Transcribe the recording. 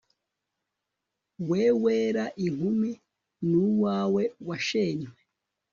we, wera, inkumi; n'uwawe, washenywe